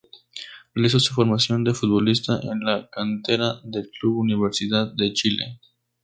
Realizó su formación de futbolista en la cantera del club Universidad de Chile.